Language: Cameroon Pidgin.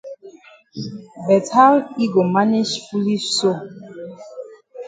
But how yi go manage foolish so?